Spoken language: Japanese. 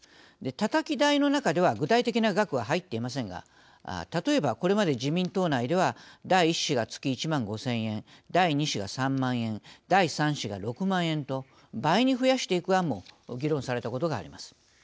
たたき台の中では具体的な額は入っていませんが例えばこれまで自民党内では第１子が月１万５０００円第２子が３万円第３子が６万円と倍に増やしていく案も議論されたことがあります。